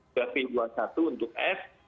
p dua puluh satu untuk f